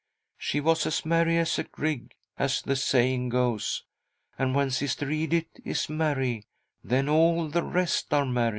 She was as merry as a grig— as the saying goes— and when Sister Edith is merry, then all the rest are merry."